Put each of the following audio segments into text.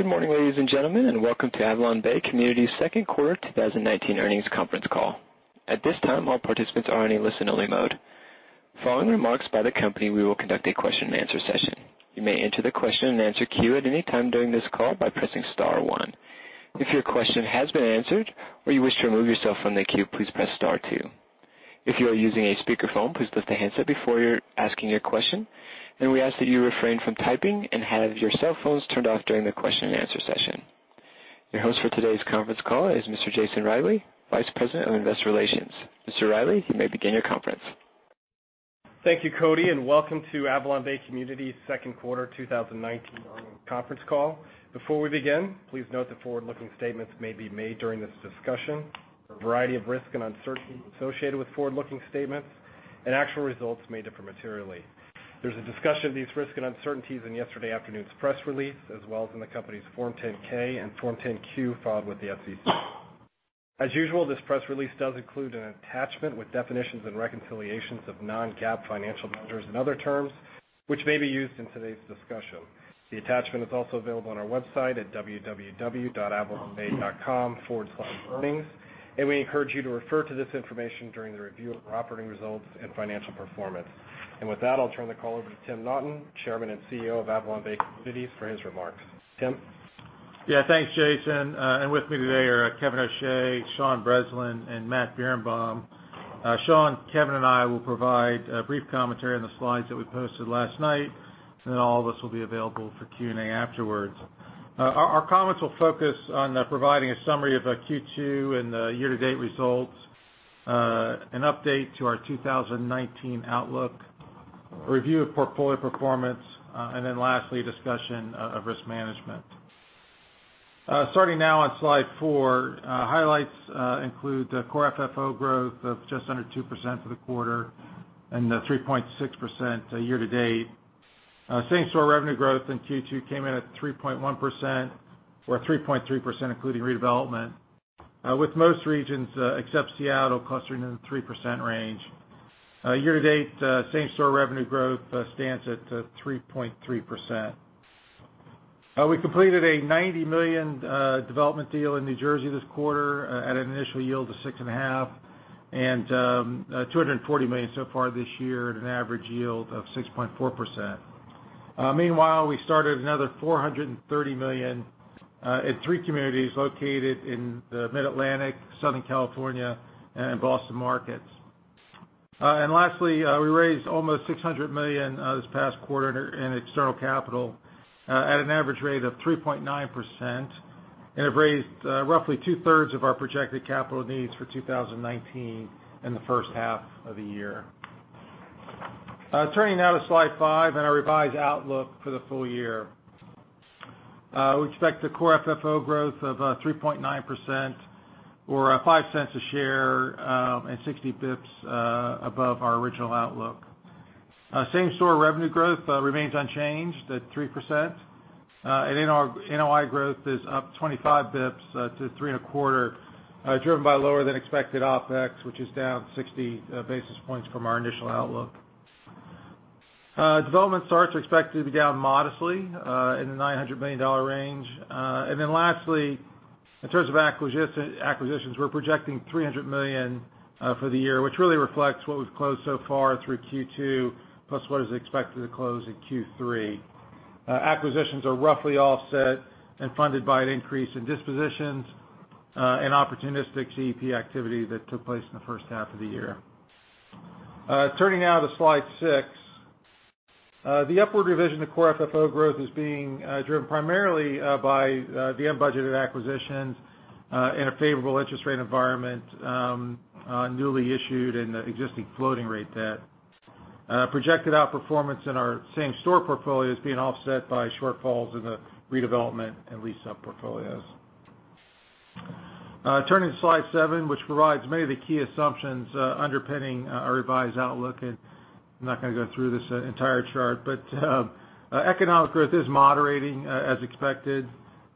Good morning, ladies and gentlemen, and welcome to AvalonBay Communities' second quarter 2019 earnings conference call. At this time, all participants are in a listen-only mode. Following remarks by the company, we will conduct a question and answer session. You may enter the question and answer queue at any time during this call by pressing star one. If your question has been answered or you wish to remove yourself from the queue, please press star two. If you are using a speakerphone, please lift the handset before asking your question, and we ask that you refrain from typing and have your cell phones turned off during the question and answer session. Your host for today's conference call is Mr. Jason Riley, Vice President of Investor Relations. Mr. Riley, you may begin your conference. Thank you, Cody, and welcome to AvalonBay Communities' second quarter 2019 earnings conference call. Before we begin, please note that forward-looking statements may be made during this discussion. There are a variety of risks and uncertainties associated with forward-looking statements, and actual results may differ materially. There's a discussion of these risks and uncertainties in yesterday afternoon's press release, as well as in the company's Form 10-K and Form 10-Q filed with the SEC. As usual, this press release does include an attachment with definitions and reconciliations of non-GAAP financial measures and other terms which may be used in today's discussion. The attachment is also available on our website at www.avalonbay.com/earnings, and we encourage you to refer to this information during the review of our operating results and financial performance. With that, I'll turn the call over to Tim Naughton, Chairman and CEO of AvalonBay Communities, for his remarks. Tim? Thanks, Jason. With me today are Kevin O'Shea, Sean Breslin, and Matthew Birenbaum. Sean, Kevin, and I will provide a brief commentary on the slides that we posted last night, and then all of us will be available for Q&A afterwards. Our comments will focus on providing a summary of Q2 and the year-to-date results, an update to our 2019 outlook, a review of portfolio performance, and then lastly, a discussion of risk management. Starting now on slide four, highlights include the core FFO growth of just under 2% for the quarter and 3.6% year-to-date. Same-store revenue growth in Q2 came in at 3.1%, or 3.3% including redevelopment, with most regions, except Seattle, clustering in the 3% range. Year-to-date, same-store revenue growth stands at 3.3%. We completed a $90 million development deal in New Jersey this quarter at an initial yield of 6.5%, and $240 million so far this year at an average yield of 6.4%. Meanwhile, we started another $430 million in three communities located in the Mid-Atlantic, Southern California, and Boston markets. Lastly, we raised almost $600 million this past quarter in external capital at an average rate of 3.9%, and have raised roughly two-thirds of our projected capital needs for 2019 in the first half of the year. Turning now to slide five and our revised outlook for the full year. We expect a core FFO growth of 3.9%, or $0.05 a share and 60 basis points above our original outlook. Same-store revenue growth remains unchanged at 3%, NOI growth is up 25 basis points to 3.25%, driven by lower than expected OpEx, which is down 60 basis points from our initial outlook. Development starts are expected to be down modestly in the $900 million range. Lastly, in terms of acquisitions, we're projecting $300 million for the year, which really reflects what we've closed so far through Q2, plus what is expected to close in Q3. Acquisitions are roughly offset and funded by an increase in dispositions and opportunistic GP activity that took place in the first half of the year. Turning now to slide six. The upward revision to core FFO growth is being driven primarily by the unbudgeted acquisitions in a favorable interest rate environment on newly issued and existing floating rate debt. Projected outperformance in our same-store portfolio is being offset by shortfalls in the redevelopment and lease-up portfolios. Turning to slide seven, which provides many of the key assumptions underpinning our revised outlook. I'm not going to go through this entire chart, but economic growth is moderating as expected,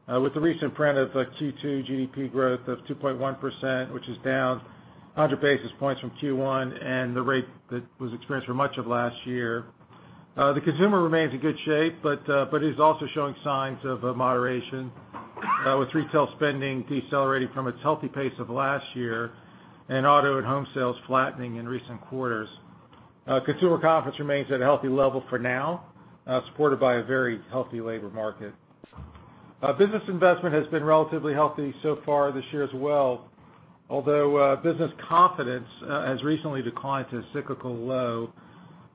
with the recent print of Q2 GDP growth of 2.1%, which is down 100 basis points from Q1 and the rate that was experienced for much of last year. The consumer remains in good shape, but is also showing signs of moderation, with retail spending decelerating from its healthy pace of last year and auto and home sales flattening in recent quarters. Consumer confidence remains at a healthy level for now, supported by a very healthy labor market. Business investment has been relatively healthy so far this year as well, although business confidence has recently declined to a cyclical low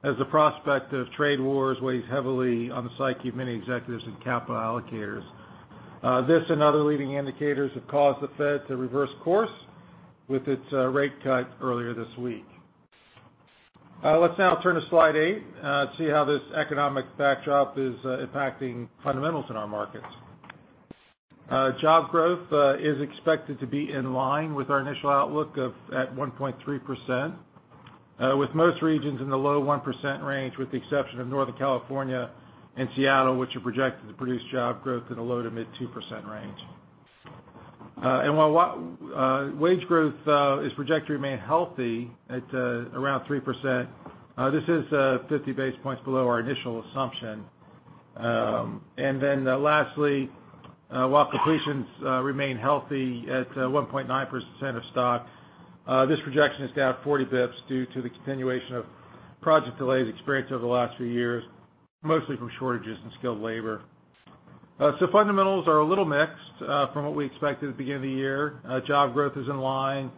as the prospect of trade wars weighs heavily on the psyche of many executives and capital allocators. This and other leading indicators have caused the Fed to reverse course with its rate cut earlier this week. Let's now turn to slide eight to see how this economic backdrop is impacting fundamentals in our markets. Job growth is expected to be in line with our initial outlook of at 1.3%, with most regions in the low 1% range, with the exception of Northern California and Seattle, which are projected to produce job growth in the low to mid 2% range. While wage growth is projected to remain healthy at around 3%, this is 50 basis points below our initial assumption. Then lastly, while completions remain healthy at 1.9% of stock, this projection is down 40 basis points due to the continuation of project delays experienced over the last few years, mostly from shortages in skilled labor. Fundamentals are a little mixed from what we expected at the beginning of the year. Job growth is in line.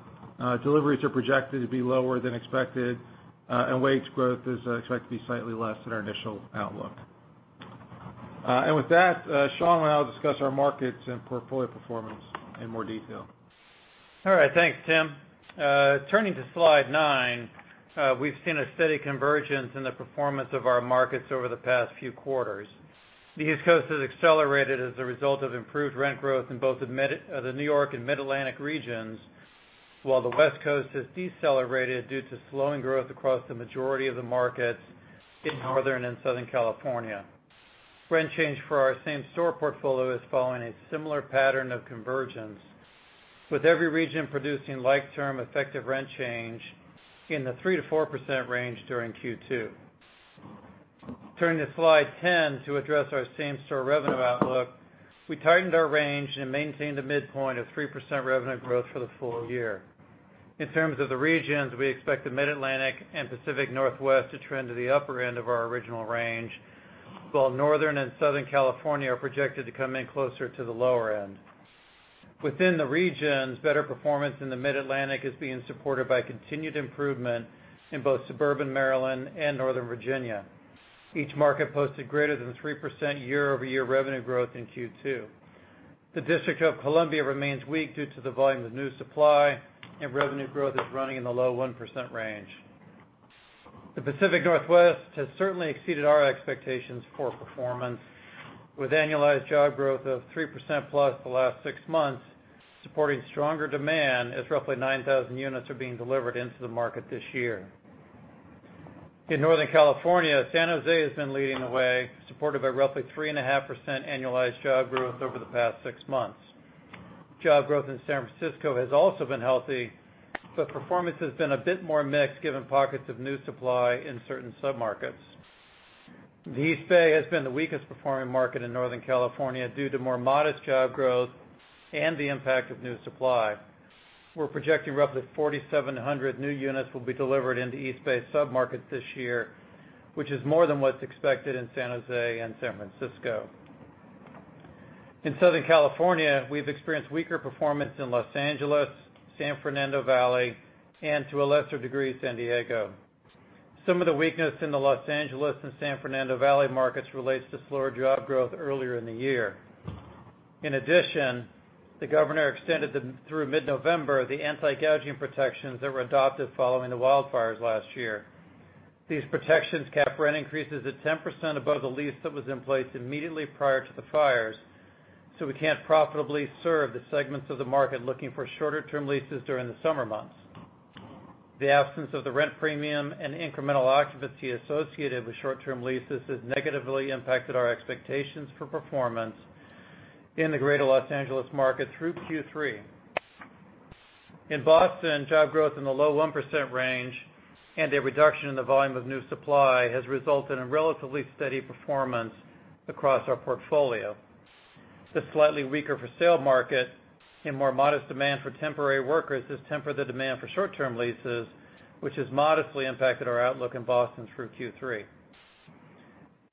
Deliveries are projected to be lower than expected, and wage growth is expected to be slightly less than our initial outlook. With that, Sean will now discuss our markets and portfolio performance in more detail. All right. Thanks, Tim. Turning to slide nine, we've seen a steady convergence in the performance of our markets over the past few quarters. The East Coast has accelerated as a result of improved rent growth in both the New York and Mid-Atlantic regions. While the West Coast has decelerated due to slowing growth across the majority of the markets in Northern and Southern California. Rent change for our same-store portfolio is following a similar pattern of convergence, with every region producing like-term effective rent change in the 3%-4% range during Q2. Turning to slide 10 to address our same-store revenue outlook. We tightened our range and maintained a midpoint of 3% revenue growth for the full year. In terms of the regions, we expect the Mid-Atlantic and Pacific Northwest to trend to the upper end of our original range, while Northern and Southern California are projected to come in closer to the lower end. Within the regions, better performance in the Mid-Atlantic is being supported by continued improvement in both suburban Maryland and northern Virginia. Each market posted greater than 3% year-over-year revenue growth in Q2. The District of Columbia remains weak due to the volume of new supply, and revenue growth is running in the low 1% range. The Pacific Northwest has certainly exceeded our expectations for performance, with annualized job growth of 3% plus the last six months, supporting stronger demand as roughly 9,000 units are being delivered into the market this year. In Northern California, San Jose has been leading the way, supported by roughly 3.5% annualized job growth over the past six months. Job growth in San Francisco has also been healthy, but performance has been a bit more mixed given pockets of new supply in certain submarkets. The East Bay has been the weakest performing market in Northern California due to more modest job growth and the impact of new supply. We're projecting roughly 4,700 new units will be delivered into East Bay submarkets this year, which is more than what's expected in San Jose and San Francisco. In Southern California, we've experienced weaker performance in Los Angeles, San Fernando Valley, and to a lesser degree, San Diego. Some of the weakness in the Los Angeles and San Fernando Valley markets relates to slower job growth earlier in the year. In addition, the governor extended through mid-November, the anti-gouging protections that were adopted following the wildfires last year. These protections cap rent increases at 10% above the lease that was in place immediately prior to the fires, so we can't profitably serve the segments of the market looking for shorter-term leases during the summer months. The absence of the rent premium and incremental occupancy associated with short-term leases has negatively impacted our expectations for performance in the greater Los Angeles market through Q3. In Boston, job growth in the low 1% range and a reduction in the volume of new supply has resulted in relatively steady performance across our portfolio. The slightly weaker for-sale market and more modest demand for temporary workers has tempered the demand for short-term leases, which has modestly impacted our outlook in Boston through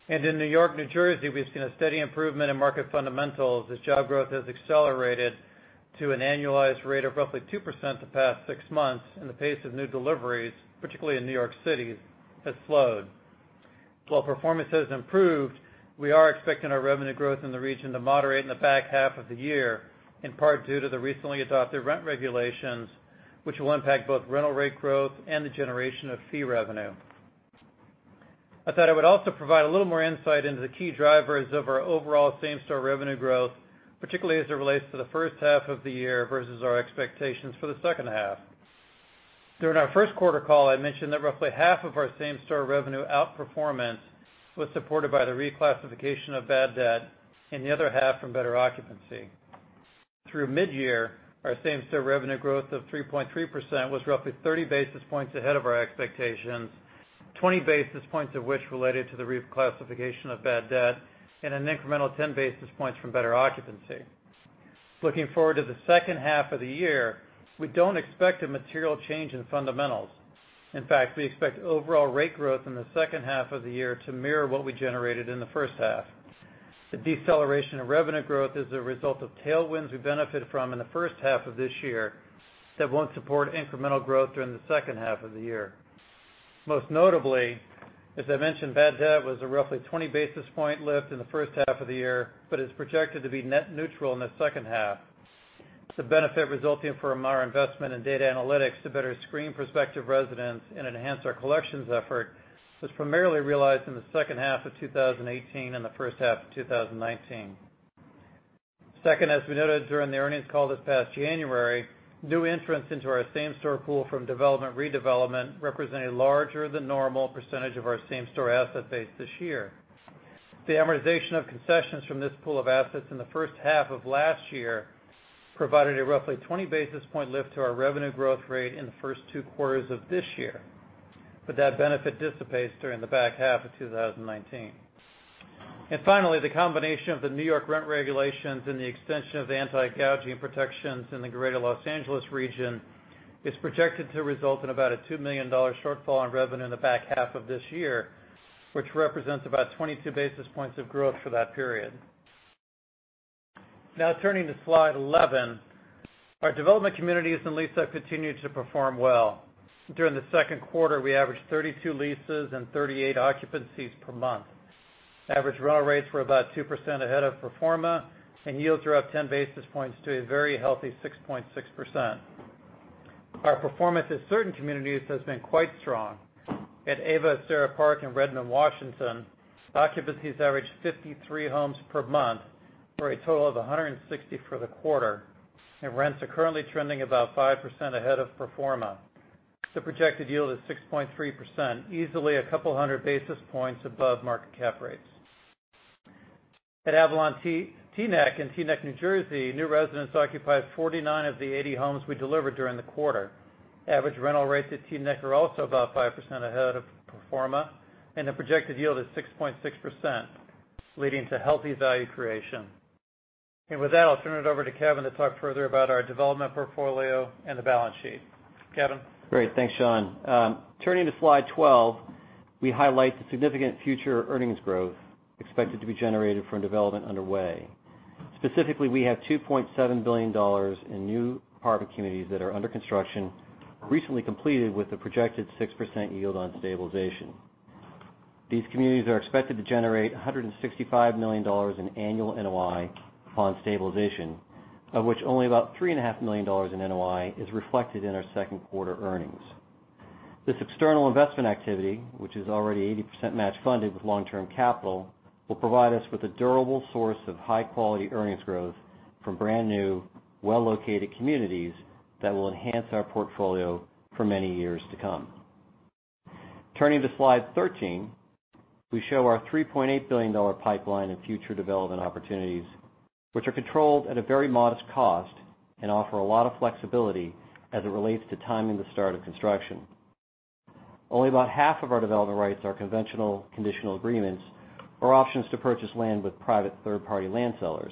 Q3. In New York, New Jersey, we've seen a steady improvement in market fundamentals as job growth has accelerated to an annualized rate of roughly 2% the past 6 months, and the pace of new deliveries, particularly in New York City, has slowed. While performance has improved, we are expecting our revenue growth in the region to moderate in the back half of the year, in part due to the recently adopted rent regulations, which will impact both rental rate growth and the generation of fee revenue. I thought I would also provide a little more insight into the key drivers of our overall same-store revenue growth, particularly as it relates to the first half of the year versus our expectations for the second half. During our first quarter call, I mentioned that roughly half of our same-store revenue outperformance was supported by the reclassification of bad debt, and the other half from better occupancy. Through mid-year, our same-store revenue growth of 3.3% was roughly 30 basis points ahead of our expectations, 20 basis points of which related to the reclassification of bad debt, and an incremental 10 basis points from better occupancy. Looking forward to the second half of the year, we don't expect a material change in fundamentals. In fact, we expect overall rate growth in the second half of the year to mirror what we generated in the first half. The deceleration of revenue growth is a result of tailwinds we benefited from in the first half of this year that won't support incremental growth during the second half of the year. Most notably, as I mentioned, bad debt was a roughly 20-basis-point lift in the first half of the year, but is projected to be net neutral in the second half. The benefit resulting from our investment in data analytics to better screen prospective residents and enhance our collections effort was primarily realized in the second half of 2018 and the first half of 2019. Second, as we noted during the earnings call this past January, new entrants into our same-store pool from development, redevelopment represented a larger than normal % of our same-store asset base this year. The amortization of concessions from this pool of assets in the first half of last year provided a roughly 20 basis point lift to our revenue growth rate in the first two quarters of this year. That benefit dissipates during the back half of 2019. Finally, the combination of the N.Y. rent regulations and the extension of the anti-gouging protections in the Greater L.A. region is projected to result in about a $2 million shortfall on revenue in the back half of this year, which represents about 22 basis points of growth for that period. Turning to slide 11. Our development communities and lease-up continue to perform well. During the second quarter, we averaged 32 leases and 38 occupancies per month. Average rental rates were about 2% ahead of pro forma, and yields are up 10 basis points to a very healthy 6.6%. Our performance at certain communities has been quite strong. At AVA at Serra Park in Redmond, Washington, occupancies averaged 53 homes per month for a total of 160 for the quarter, and rents are currently trending about 5% ahead of pro forma. The projected yield is 6.3%, easily a couple hundred basis points above market cap rates. At Avalon Teaneck in Teaneck, New Jersey, new residents occupied 49 of the 80 homes we delivered during the quarter. Average rental rates at Teaneck are also about 5% ahead of pro forma, and the projected yield is 6.6%, leading to healthy value creation. With that, I'll turn it over to Kevin to talk further about our development portfolio and the balance sheet. Kevin? Great. Thanks, Sean. Turning to slide 12, we highlight the significant future earnings growth expected to be generated from development underway. Specifically, we have $2.7 billion in new part of the communities that are under construction, recently completed with a projected 6% yield on stabilization. These communities are expected to generate $165 million in annual NOI upon stabilization, of which only about $3.5 million in NOI is reflected in our second quarter earnings. This external investment activity, which is already 80% match funded with long-term capital, will provide us with a durable source of high-quality earnings growth from brand-new, well-located communities that will enhance our portfolio for many years to come. Turning to slide 13, we show our $3.8 billion pipeline in future development opportunities, which are controlled at a very modest cost and offer a lot of flexibility as it relates to timing the start of construction. Only about half of our development rights are conventional conditional agreements or options to purchase land with private third-party land sellers.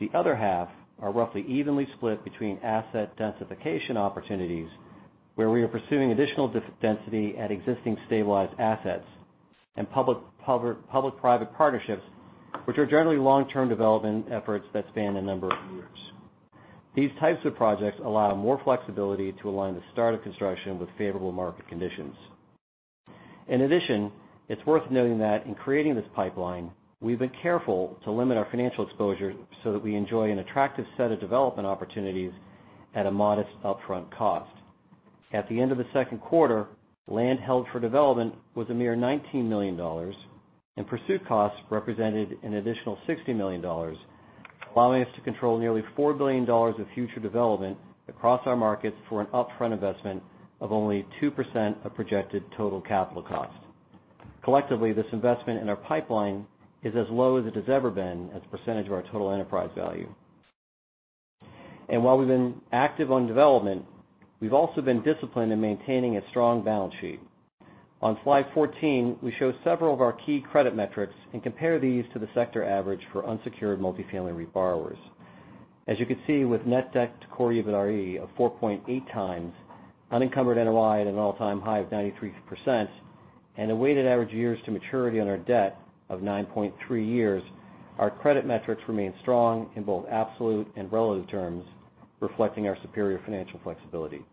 The other half are roughly evenly split between asset densification opportunities, where we are pursuing additional density at existing stabilized assets, and public-private partnerships, which are generally long-term development efforts that span a number of years. These types of projects allow more flexibility to align the start of construction with favorable market conditions. In addition, it's worth noting that in creating this pipeline, we've been careful to limit our financial exposure so that we enjoy an attractive set of development opportunities at a modest upfront cost. At the end of the second quarter, land held for development was a mere $19 million, and pursuit costs represented an additional $60 million, allowing us to control nearly $4 billion of future development across our markets for an upfront investment of only 2% of projected total capital costs. Collectively, this investment in our pipeline is as low as it has ever been as a percentage of our total enterprise value. While we've been active on development, we've also been disciplined in maintaining a strong balance sheet. On slide 14, we show several of our key credit metrics and compare these to the sector average for unsecured multifamily REIT borrowers. As you can see with net debt to core EBITDAre of 4.8 times, unencumbered NOI at an all-time high of 93%, and a weighted average years to maturity on our debt of 9.3 years, our credit metrics remain strong in both absolute and relative terms, reflecting our superior financial flexibility.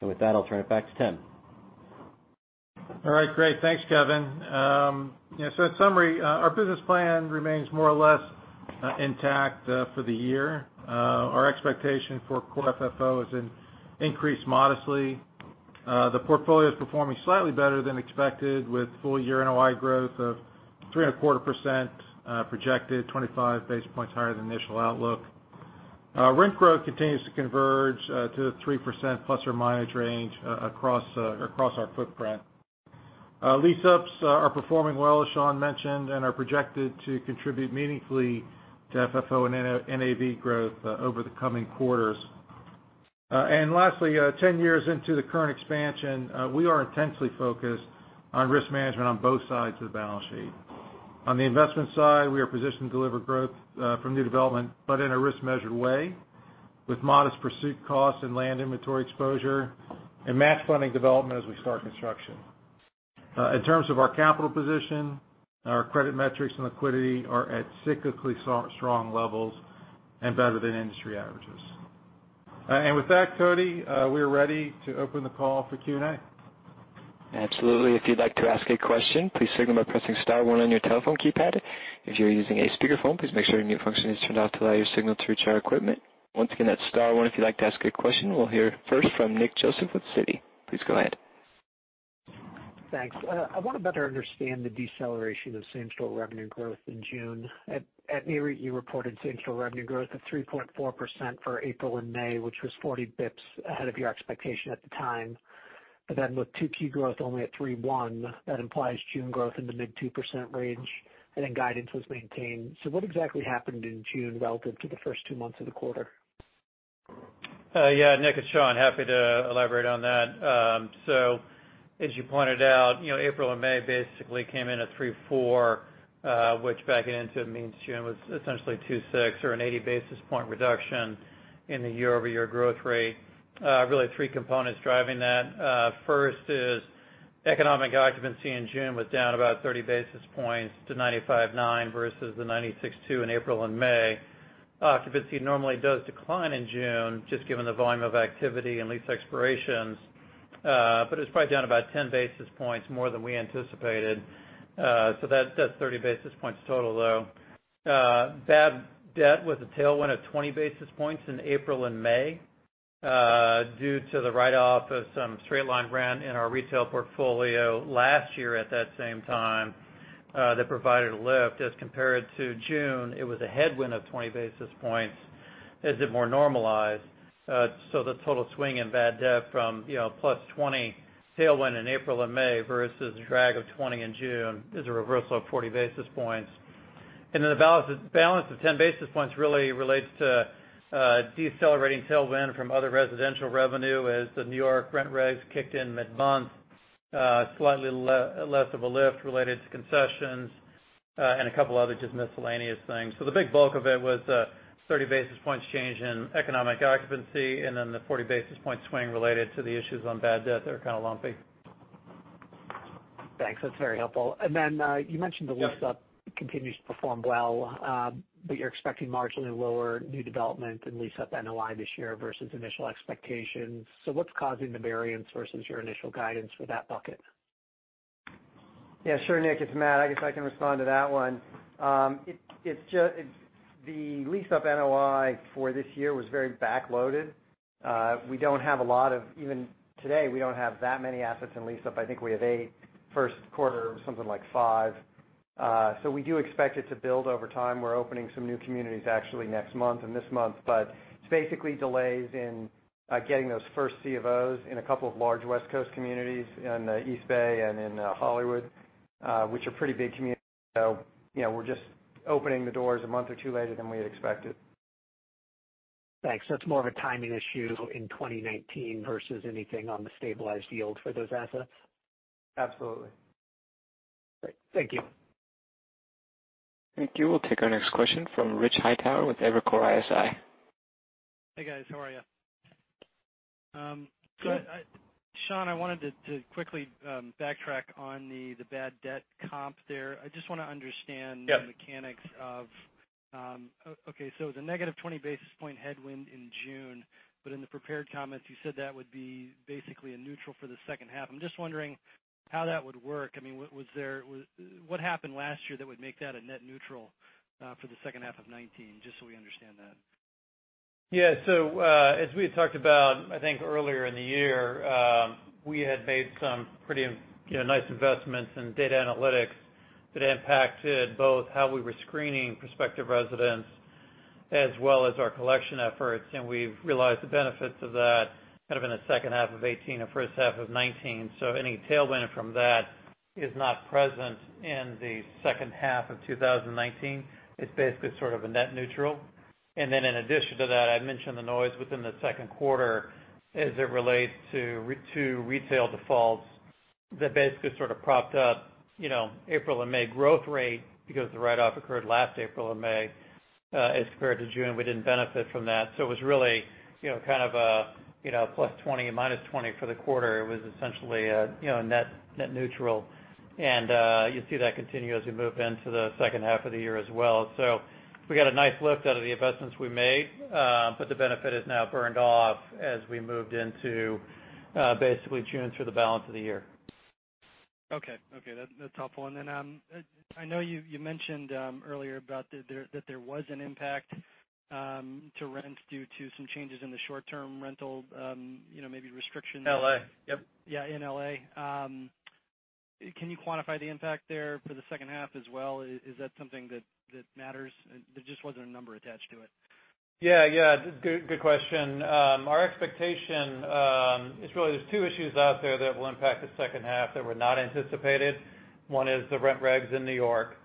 With that, I'll turn it back to Tim. All right. Great. Thanks, Kevin. In summary, our business plan remains more or less intact for the year. Our expectation for core FFO is increased modestly. The portfolio is performing slightly better than expected with full-year NOI growth of 3.25% projected, 25 basis points higher than initial outlook. Rent growth continues to converge to the 3% ± range across our footprint. Lease-ups are performing well, as Sean mentioned, and are projected to contribute meaningfully to FFO and NAV growth over the coming quarters. Lastly, 10 years into the current expansion, we are intensely focused on risk management on both sides of the balance sheet. On the investment side, we are positioned to deliver growth from new development, but in a risk-measured way, with modest pursuit costs and land inventory exposure, and match funding development as we start construction. In terms of our capital position, our credit metrics and liquidity are at cyclically strong levels and better than industry averages. With that, Cody, we are ready to open the call for Q&A. Absolutely. If you'd like to ask a question, please signal by pressing *1 on your telephone keypad. If you're using a speakerphone, please make sure your mute function is turned off to allow your signal to reach our equipment. Once again, that's *1 if you'd like to ask a question. We'll hear first from Nick Joseph with Citi. Please go ahead. Thanks. I want to better understand the deceleration of same-store revenue growth in June. At Nareit, you reported same-store revenue growth of 3.4% for April and May, which was 40 bps ahead of your expectation at the time. With 2Q growth only at 3.1, that implies June growth in the mid 2% range, and then guidance was maintained. What exactly happened in June relative to the first two months of the quarter? Nick, it's Sean. Happy to elaborate on that. As you pointed out, April and May basically came in at 3.4, which backing into it means June was essentially 2.6 or an 80 basis point reduction in the year-over-year growth rate. Really three components driving that. First is economic occupancy in June was down about 30 basis points to 95.9 versus the 96.2 in April and May. Occupancy normally does decline in June, just given the volume of activity and lease expirations. It was probably down about 10 basis points more than we anticipated. That's 30 basis points total, though. Bad debt was a tailwind of 20 basis points in April and May due to the write-off of some straight-line rent in our retail portfolio last year at that same time that provided a lift as compared to June. It was a headwind of 20 basis points as it more normalized. The total swing in bad debt from +20 tailwind in April and May versus a drag of 20 in June is a reversal of 40 basis points. The balance of 10 basis points really relates to decelerating tailwind from other residential revenue as the New York rent regs kicked in mid-month, slightly less of a lift related to concessions, and a couple other just miscellaneous things. The big bulk of it was a 30 basis points change in economic occupancy, and then the 40 basis points swing related to the issues on bad debt that were kind of lumpy. Thanks. That's very helpful. you mentioned. Yeah lease-up continues to perform well, but you're expecting marginally lower new development and lease-up NOI this year versus initial expectations. What's causing the variance versus your initial guidance for that bucket? Sure, Nick. It's Matt. I guess I can respond to that one. The lease-up NOI for this year was very back-loaded. Even today, we don't have that many assets in lease-up. I think we have eight. First quarter, it was something like five. We do expect it to build over time. We're opening some new communities actually next month and this month. It's basically delays in getting those first C of Os in a couple of large West Coast communities in the East Bay and in Hollywood, which are pretty big communities. We're just opening the doors a month or two later than we had expected. Thanks. It's more of a timing issue in 2019 versus anything on the stabilized yield for those assets? Absolutely. Great. Thank you. Thank you. We'll take our next question from Rich Hightower with Evercore ISI. Hey, guys. How are you? Good. Sean, I wanted to quickly backtrack on the bad debt comp there. I just want to understand- Yeah the mechanics of Okay, the negative 20 basis point headwind in June, but in the prepared comments, you said that would be basically a neutral for the second half. I'm just wondering how that would work. What happened last year that would make that a net neutral for the second half of 2019, just so we understand that? Yeah. As we had talked about, I think, earlier in the year, we had made some pretty nice investments in data analytics that impacted both how we were screening prospective residents as well as our collection efforts. We've realized the benefits of that kind of in the second half of 2018 and first half of 2019. Any tailwind from that is not present in the second half of 2019. It's basically sort of a net neutral. Then in addition to that, I mentioned the noise within the second quarter as it relates to retail defaults that basically sort of propped up April and May growth rate because the write-off occurred last April and May. As compared to June, we didn't benefit from that. It was really kind of a plus 20% and minus 20% for the quarter. It was essentially a net neutral. You see that continue as we move into the second half of the year as well. We got a nice lift out of the investments we made, but the benefit is now burned off as we moved into basically June through the balance of the year. Okay. That's helpful. I know you mentioned earlier that there was an impact to rents due to some changes in the short-term rental maybe restrictions. L.A. Yep. Yeah, in L.A. Can you quantify the impact there for the second half as well? Is that something that matters? There just wasn't a number attached to it. Yeah. Good question. Our expectation is really there's two issues out there that will impact the second half that were not anticipated. One is the rent regs in New York,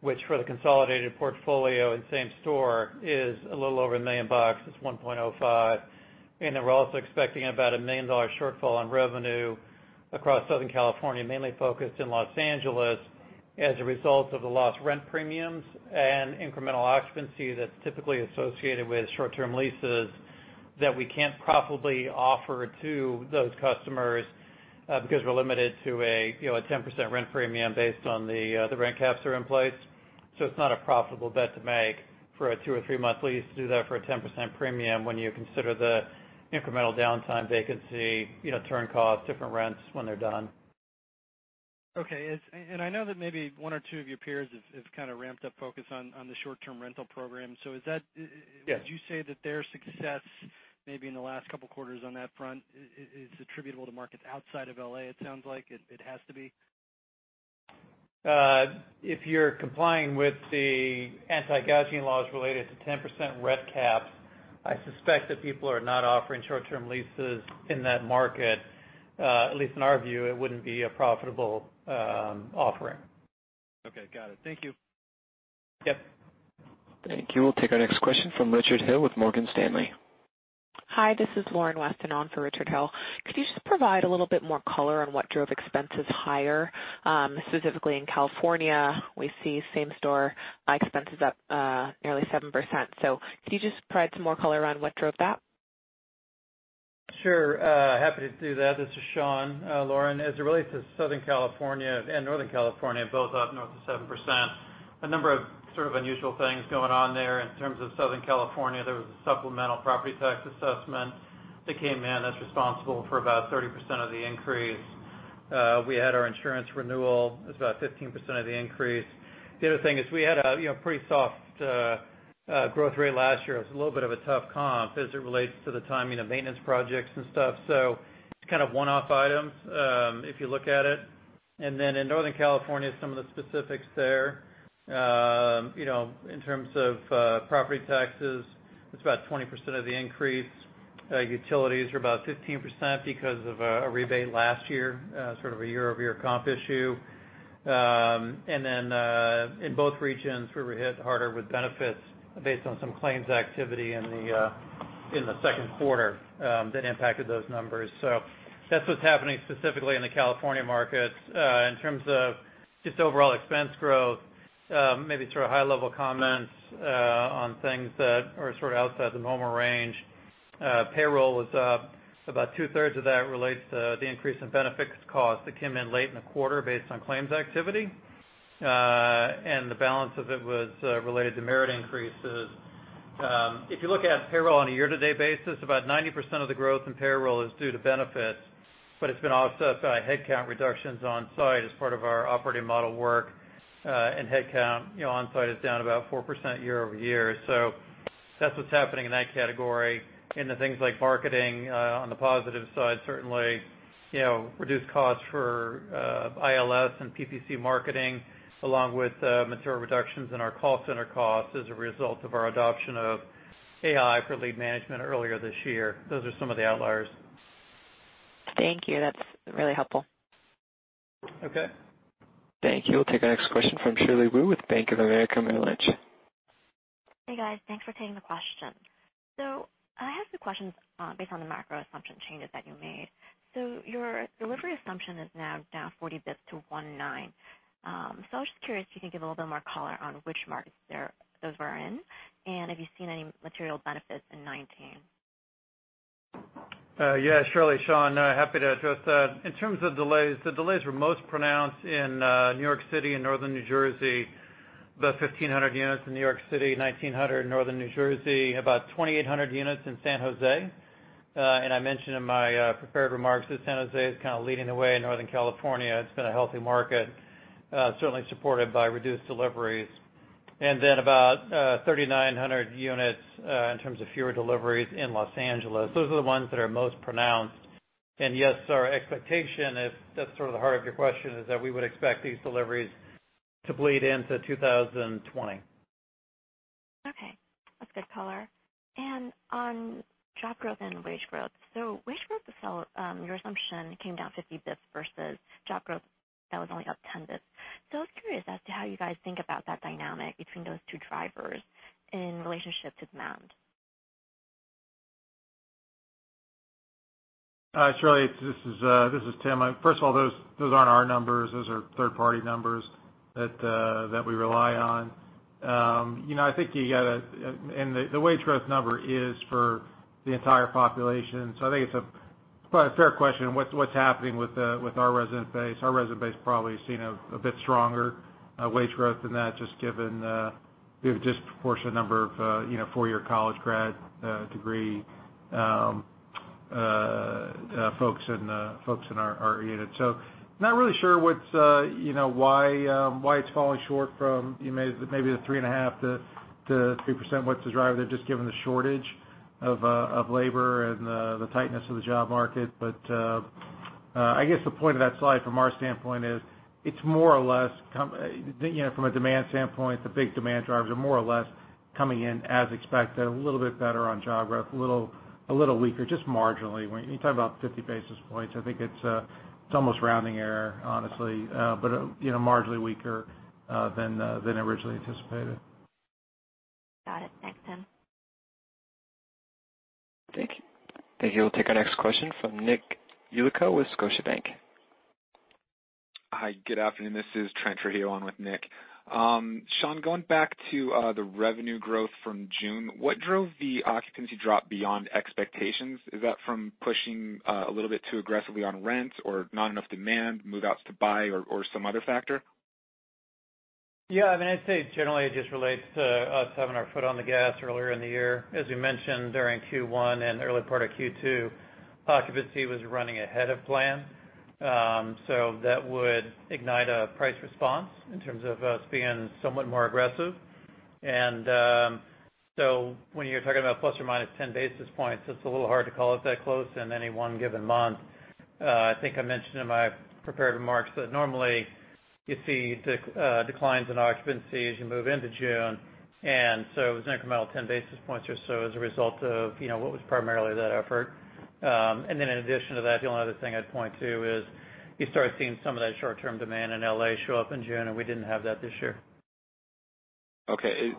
which for the consolidated portfolio in same-store is a little over $1 million. It's $1.05 million. We're also expecting about a $1 million shortfall on revenue across Southern California, mainly focused in Los Angeles, as a result of the lost rent premiums and incremental occupancy that's typically associated with short-term leases that we can't profitably offer to those customers because we're limited to a 10% rent premium based on the rent caps that are in place. It's not a profitable bet to make for a two or three-month lease to do that for a 10% premium when you consider the incremental downtime, vacancy, turn cost, different rents when they're done. Okay. I know that maybe one or two of your peers have kind of ramped up focus on the short-term rental program. is that- Yeah would you say that their success maybe in the last couple quarters on that front is attributable to markets outside of L.A.? It sounds like it has to be. If you're complying with the anti-gouging laws related to 10% rent caps, I suspect that people are not offering short-term leases in that market. At least in our view, it wouldn't be a profitable offering. Okay, got it. Thank you. Yep. Thank you. We'll take our next question from Richard Hill with Morgan Stanley. Hi, this is Lauren Weston on for Richard Hill. Could you just provide a little bit more color on what drove expenses higher? Specifically, in California, we see same-store expenses up nearly 7%. Could you just provide some more color around what drove that? Sure. Happy to do that. This is Sean. Lauren, as it relates to Southern California and Northern California, both up north of 7%, a number of sort of unusual things going on there. In terms of Southern California, there was a supplemental property tax assessment that came in that's responsible for about 30% of the increase. We had our insurance renewal. It's about 15% of the increase. The other thing is we had a pretty soft growth rate last year. It was a little bit of a tough comp as it relates to the timing of maintenance projects and stuff. It's kind of one-off items, if you look at it. In Northern California, some of the specifics there, in terms of property taxes, it's about 20% of the increase. Utilities are about 15% because of a rebate last year, sort of a year-over-year comp issue. In both regions, we were hit harder with benefits based on some claims activity in the second quarter that impacted those numbers. That's what's happening specifically in the California markets. In terms of just overall expense growth, maybe sort of high-level comments on things that are sort of outside the normal range. Payroll was up. About two-thirds of that relates to the increase in benefits cost that came in late in the quarter based on claims activity. The balance of it was related to merit increases. If you look at payroll on a year-to-date basis, about 90% of the growth in payroll is due to benefits, but it's been offset by headcount reductions on-site as part of our operating model work, and headcount on-site is down about 4% year-over-year. That's what's happening in that category. In the things like marketing, on the positive side, certainly, reduced costs for ILS and PPC marketing, along with material reductions in our call center costs as a result of our adoption of AI for lead management earlier this year. Those are some of the outliers. Thank you. That's really helpful. Okay. Thank you. We'll take our next question from Shirley Wu with Bank of America Merrill Lynch. Hey, guys. Thanks for taking the question. I have some questions based on the macro assumption changes that you made. Your delivery assumption is now down 40 basis points to 1.9. I was just curious if you could give a little bit more color on which markets those were in, and have you seen any material benefits in 2019? Yeah, Shirley, Sean, happy to address that. In terms of delays, the delays were most pronounced in New York City and Northern New Jersey. About 1,500 units in New York City, 1,900 in Northern New Jersey, about 2,800 units in San Jose. I mentioned in my prepared remarks that San Jose is kind of leading the way in Northern California. It's been a healthy market, certainly supported by reduced deliveries. About 3,900 units in terms of fewer deliveries in Los Angeles. Those are the ones that are most pronounced. Yes, our expectation, if that's sort of the heart of your question, is that we would expect these deliveries to bleed into 2020. Okay. That's good color. On job growth and wage growth. Wage growth, your assumption came down 50 basis points versus job growth that was only up 10 basis points. I was curious as to how you guys think about that dynamic between those two drivers in relationship to demand. Hi, Shirley, this is Tim. First of all, those aren't our numbers. Those are third-party numbers that we rely on. The wage growth number is for the entire population. I think it's a fair question, what's happening with our resident base? Our resident base probably has seen a bit stronger wage growth than that, just given the disproportionate number of four-year college grad degree folks in our unit. I'm not really sure why it's falling short from maybe the 3.5%-3%, what's the driver there, just given the shortage of labor and the tightness of the job market. I guess the point of that slide from our standpoint is it's more or less, from a demand standpoint, the big demand drivers are more or less coming in as expected, a little bit better on job growth, a little weaker, just marginally. When you talk about 50 basis points, I think it's almost rounding error, honestly, but marginally weaker than originally anticipated. Got it. Thanks, Tim. Thank you. We'll take our next question from Nicholas Yulico with Scotiabank. Hi, good afternoon. This is Trent for Hugh on with Nick. Sean, going back to the revenue growth from June, what drove the occupancy drop beyond expectations? Is that from pushing a little bit too aggressively on rent or not enough demand, move-outs to buy or some other factor? Yeah, I'd say generally it just relates to us having our foot on the gas earlier in the year. As we mentioned during Q1 and the early part of Q2, occupancy was running ahead of plan. That would ignite a price response in terms of us being somewhat more aggressive. When you're talking about ±10 basis points, it's a little hard to call it that close in any one given month. I think I mentioned in my prepared remarks that normally you see declines in occupancy as you move into June, and so it was an incremental 10 basis points or so as a result of what was primarily that effort. In addition to that, the only other thing I'd point to is you start seeing some of that short-term demand in L.A. show up in June, and we didn't have that this year. Okay.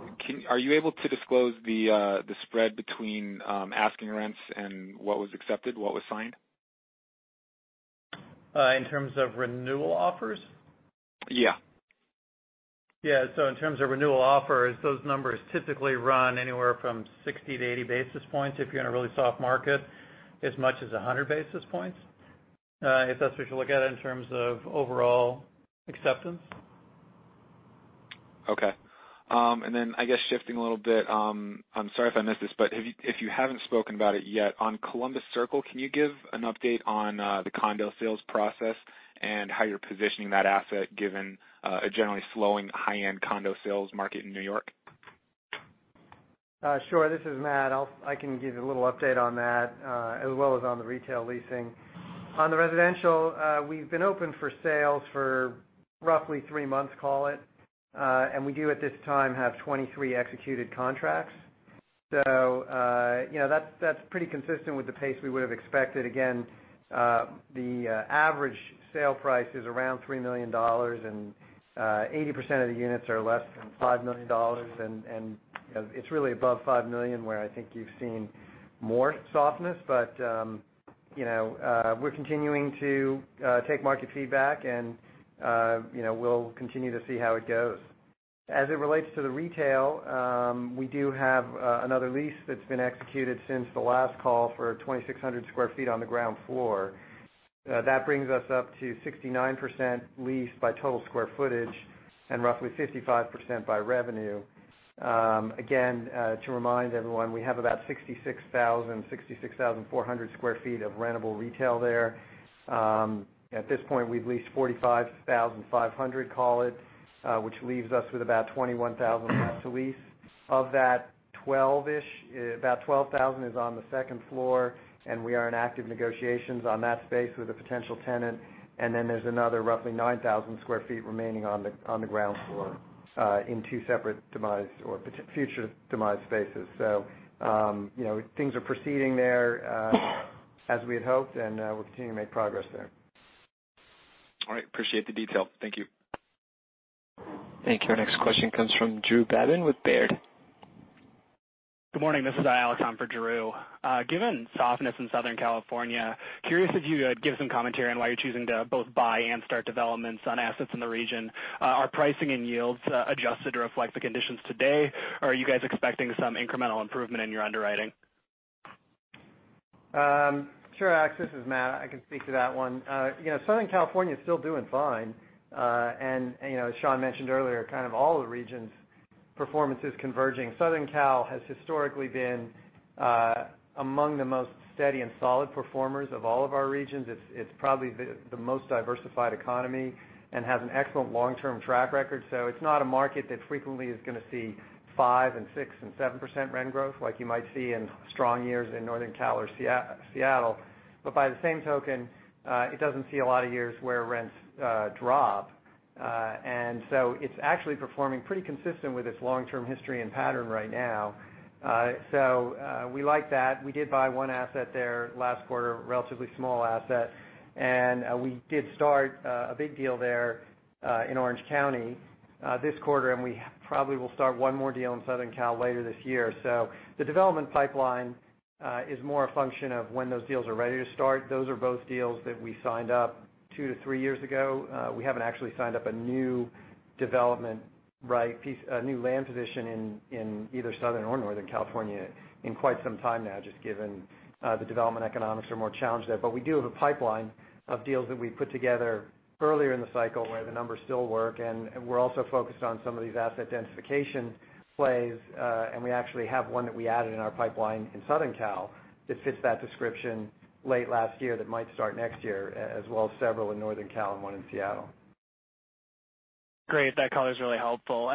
Are you able to disclose the spread between asking rents and what was accepted, what was signed? In terms of renewal offers? Yeah. Yeah. In terms of renewal offers, those numbers typically run anywhere from 60 to 80 basis points. If you're in a really soft market, as much as 100 basis points, if that's what you look at in terms of overall acceptance. Okay. I guess shifting a little bit, I'm sorry if I missed this, but if you haven't spoken about it yet, on Columbus Circle, can you give an update on the condo sales process and how you're positioning that asset given a generally slowing high-end condo sales market in New York? Sure. This is Matt. I can give you a little update on that, as well as on the retail leasing. On the residential, we've been open for sales for roughly three months, call it, and we do at this time have 23 executed contracts. That's pretty consistent with the pace we would've expected. Again, the average sale price is around $3 million, and 80% of the units are less than $5 million. It's really above $5 million where I think you've seen more softness. We're continuing to take market feedback, and we'll continue to see how it goes. As it relates to the retail, we do have another lease that's been executed since the last call for 2,600 sq ft on the ground floor. That brings us up to 69% leased by total square footage and roughly 55% by revenue. Again, to remind everyone, we have about 66,400 sq ft of rentable retail there. At this point, we've leased 45,500, call it, which leaves us with about 21,000 left to lease. Of that, about 12,000 is on the second floor, and we are in active negotiations on that space with a potential tenant. There's another roughly 9,000 sq ft remaining on the ground floor in two separate demise or future-demised spaces. Things are proceeding there as we had hoped, and we'll continue to make progress there. All right. Appreciate the detail. Thank you. Thank you. Our next question comes from Drew Babin with Baird. Good morning. This is Alex on for Drew. Given softness in Southern California, I'm curious if you could give some commentary on why you're choosing to both buy and start developments on assets in the region. Are pricing and yields adjusted to reflect the conditions today, or are you guys expecting some incremental improvement in your underwriting? Sure, Alex, this is Matt. I can speak to that one. Southern California is still doing fine. As Sean mentioned earlier, kind of all the regions' performance is converging. Southern Cal has historically been among the most steady and solid performers of all of our regions. It's probably the most diversified economy and has an excellent long-term track record. It's not a market that frequently is going to see 5% and 6% and 7% rent growth like you might see in strong years in Northern Cal or Seattle. By the same token, it doesn't see a lot of years where rents drop. It's actually performing pretty consistent with its long-term history and pattern right now. We like that. We did buy one asset there last quarter, relatively small asset, and we did start a big deal there in Orange County this quarter, and we probably will start one more deal in Southern Cal later this year. The development pipeline is more a function of when those deals are ready to start. Those are both deals that we signed up two to three years ago. We haven't actually signed up a new development, a new land position in either Southern or Northern California in quite some time now, just given the development economics are more challenged there. We do have a pipeline of deals that we put together earlier in the cycle where the numbers still work, and we're also focused on some of these asset densification plays. We actually have one that we added in our pipeline in Southern Cal that fits that description late last year that might start next year, as well as several in Northern Cal and one in Seattle. Great. That color's really helpful.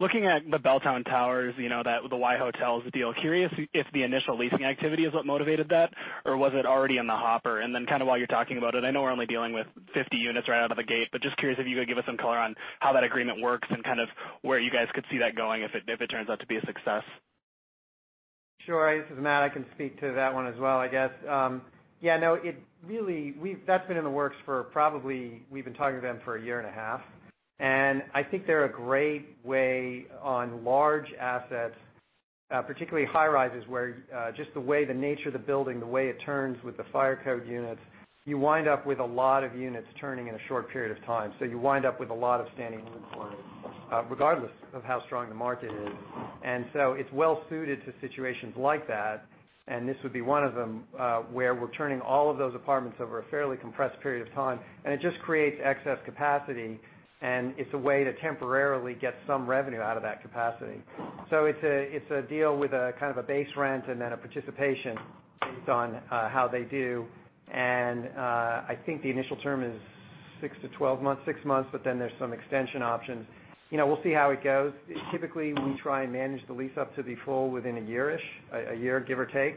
Looking at the Belltown Towers, the WhyHotel deal, curious if the initial leasing activity is what motivated that, or was it already in the hopper? Kind of while you're talking about it, I know we're only dealing with 50 units right out of the gate, but just curious if you could give us some color on how that agreement works and kind of where you guys could see that going if it turns out to be a success. Sure. This is Matt. I can speak to that one as well, I guess. Yeah, no, that's been in the works for probably we've been talking to them for a year and a half, and I think they're a great way on large assets, particularly high-rises, where just the way the nature of the building, the way it turns with the fire code units, you wind up with a lot of units turning in a short period of time. You wind up with a lot of standing inventory regardless of how strong the market is. It's well-suited to situations like that, and this would be one of them, where we're turning all of those apartments over a fairly compressed period of time, and it just creates excess capacity, and it's a way to temporarily get some revenue out of that capacity. It's a deal with a kind of a base rent and then a participation. Based on how they do. I think the initial term is six to 12 months, six months, there's some extension options. We'll see how it goes. Typically, we try and manage the lease-up to be full within a year-ish, a year, give or take.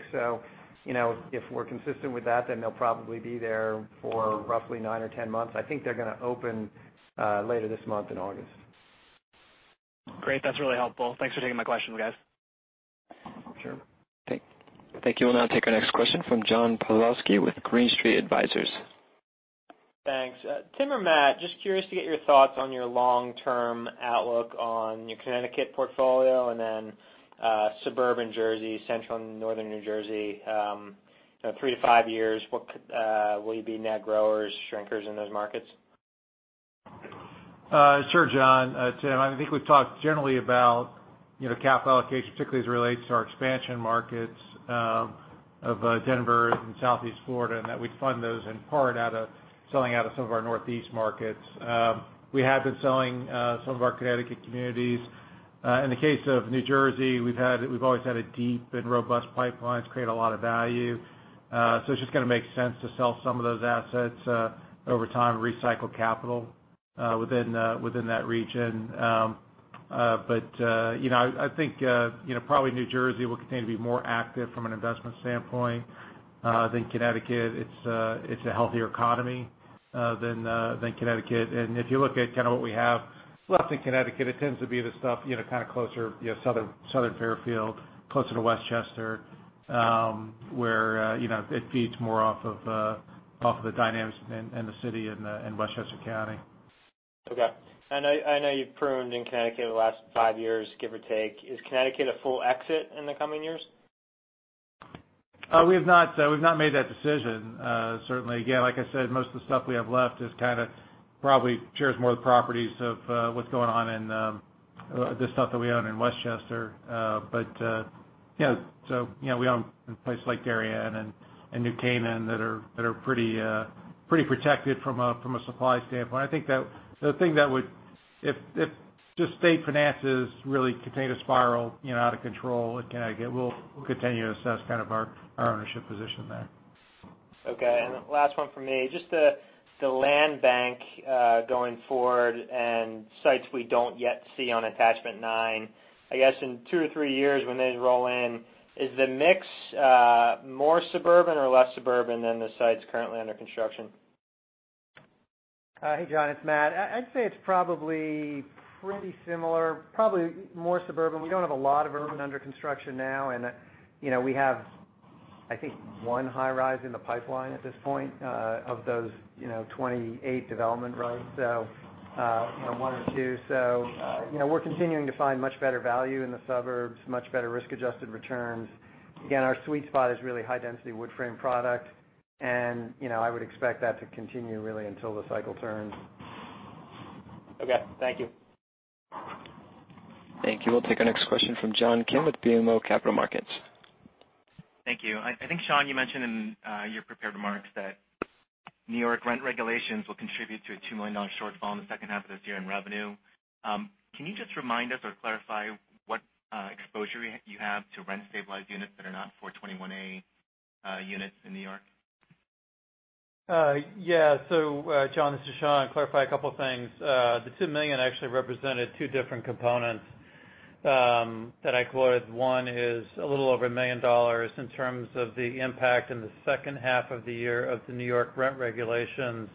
If we're consistent with that, they'll probably be there for roughly nine or 10 months. I think they're going to open later this month in August. Great. That's really helpful. Thanks for taking my questions, guys. Sure. Okay. Thank you. We'll now take our next question from John Pawlowski with Green Street Advisors. Thanks. Tim or Matt, just curious to get your thoughts on your long-term outlook on your Connecticut portfolio and then suburban Jersey, central and northern New Jersey, three to five years, will you be net growers, shrinkers in those markets? Sure, John. Tim, I think we've talked generally about capital allocation, particularly as it relates to our expansion markets of Denver and Southeast Florida, and that we'd fund those in part out of selling out of some of our Northeast markets. We have been selling some of our Connecticut communities. In the case of New Jersey, we've always had a deep and robust pipeline. It's created a lot of value. It's just going to make sense to sell some of those assets over time and recycle capital within that region. I think probably New Jersey will continue to be more active from an investment standpoint than Connecticut. It's a healthier economy than Connecticut. If you look at what we have left in Connecticut, it tends to be the stuff kind of closer, southern Fairfield, closer to Westchester, where it feeds more off of the dynamics in the city in Westchester County. Okay. I know you've pruned in Connecticut the last five years, give or take. Is Connecticut a full exit in the coming years? We've not made that decision. Certainly, again, like I said, most of the stuff we have left probably shares more the properties of what's going on in the stuff that we own in Westchester. We own in places like Darien and New Canaan that are pretty protected from a supply standpoint. If the state finances really continue to spiral out of control in Connecticut, we'll continue to assess kind of our ownership position there. Okay. The last one from me, just the land bank going forward and sites we don't yet see on attachment nine, I guess, in two or three years when they roll in, is the mix more suburban or less suburban than the sites currently under construction? Hey, John, it's Matt. I'd say it's probably pretty similar, probably more suburban. We don't have a lot of urban under construction now, and we have, I think, one high-rise in the pipeline at this point, of those 28 development rises, so one or two. We're continuing to find much better value in the suburbs, much better risk-adjusted returns. Again, our sweet spot is really high-density wood-frame product, and I would expect that to continue really until the cycle turns. Okay. Thank you. Thank you. We'll take our next question from John Kim with BMO Capital Markets. Thank you. I think, Sean, you mentioned in your prepared remarks that New York rent regulations will contribute to a $2 million shortfall in the second half of this year in revenue. Can you just remind us or clarify what exposure you have to rent-stabilized units that are not 421-a units in New York? Yeah. John, this is Sean. Clarify a couple of things. The $2 million actually represented two different components that I quoted. One is a little over $1 million in terms of the impact in the second half of the year of the New York rent regulations.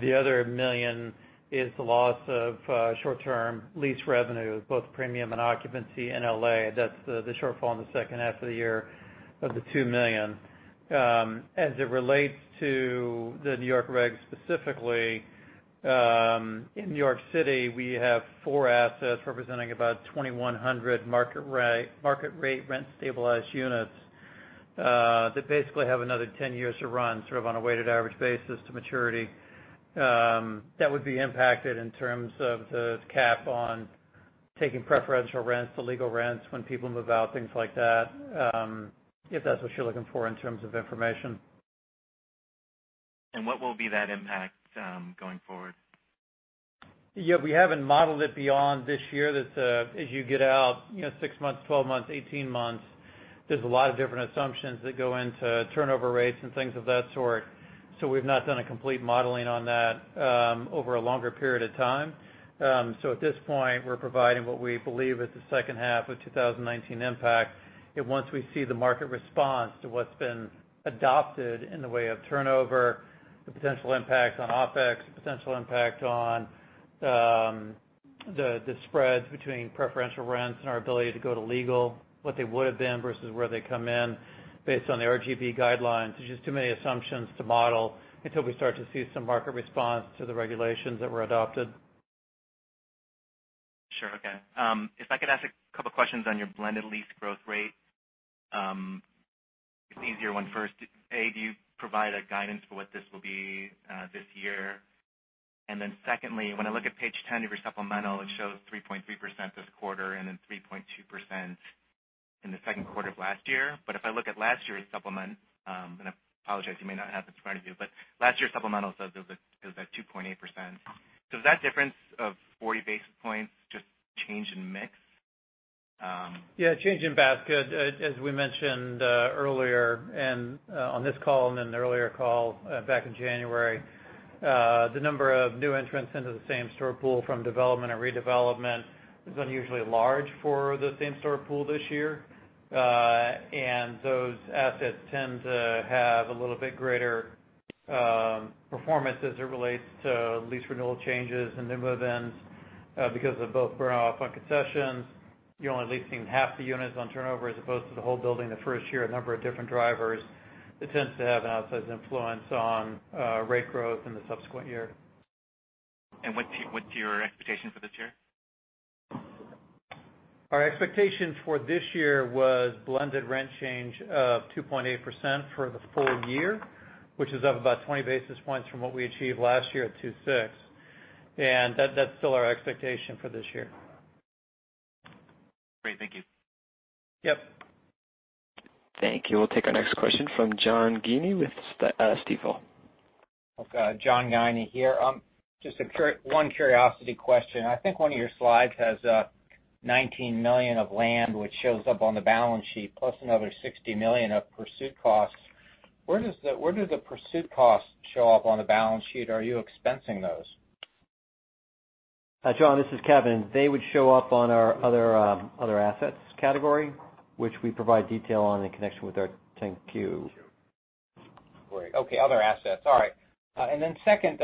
The other $1 million is the loss of short-term lease revenue, both premium and occupancy in L.A. That's the shortfall in the second half of the year of the $2 million. As it relates to the New York reg specifically, in New York City, we have four assets representing about 2,100 market rate rent-stabilized units, that basically have another 10 years to run sort of on a weighted average basis to maturity. That would be impacted in terms of the cap on taking preferential rents to legal rents when people move out, things like that, if that's what you're looking for in terms of information. What will be that impact going forward? Yeah. We haven't modeled it beyond this year. As you get out 6 months, 12 months, 18 months, there's a lot of different assumptions that go into turnover rates and things of that sort. We've not done a complete modeling on that over a longer period of time. At this point, we're providing what we believe is the second half of 2019 impact. Once we see the market response to what's been adopted in the way of turnover, the potential impact on OpEx, the potential impact on the spreads between preferential rents and our ability to go to legal, what they would have been versus where they come in based on the RGB guidelines. There's just too many assumptions to model until we start to see some market response to the regulations that were adopted. Sure. Okay. If I could ask a couple of questions on your blended lease growth rate. The easier one first. A, do you provide a guidance for what this will be this year? Secondly, when I look at page 10 of your supplemental, it shows 3.3% this quarter and then 3.2% in the second quarter of last year. If I look at last year's supplemental, I apologize, you may not have this in front of you, last year's supplemental said it was at 2.8%. Is that difference of 40 basis points just change in mix? Yeah, change in basket. As we mentioned earlier on this call and in the earlier call back in January, the number of new entrants into the same-store pool from development and redevelopment is unusually large for the same-store pool this year. Those assets tend to have a little bit greater performance as it relates to lease renewal changes and new move-ins, because of both burn-off on concessions. You're only leasing half the units on turnover as opposed to the whole building the first year, a number of different drivers, that tends to have an outsized influence on rate growth in the subsequent year. What's your expectation for this year? Our expectation for this year was blended rent change of 2.8% for the full year, which is up about 20 basis points from what we achieved last year at 2.6%. That's still our expectation for this year. Great. Thank you. Yep. Thank you. We'll take our next question from John Guiney with Stifel. John Guiney here. Just one curiosity question. I think one of your slides has $19 million of land which shows up on the balance sheet, plus another $60 million of pursuit costs. Where do the pursuit costs show up on the balance sheet? Are you expensing those? John, this is Kevin. They would show up on our other assets category, which we provide detail on in connection with our 10-Q. Great. Okay. Other assets. All right. Second,